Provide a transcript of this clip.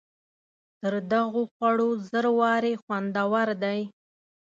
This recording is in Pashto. تر دغو خوړو زر وارې خوندور دی.